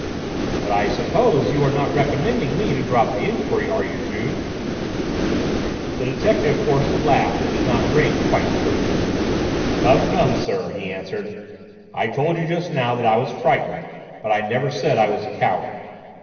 "But I suppose you are not recommending me to drop the enquiry, are you, Juve?" The detective forced a laugh that did not ring quite true. "Come, come, sir," he answered, "I told you just now that I was frightened, but I never said I was a coward.